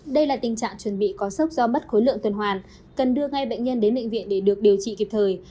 đây là tình trạng chuẩn bị có sốc do mất khối lượng tuần hoàn cần đưa ngay bệnh nhân đến bệnh viện để được điều trị kịp thời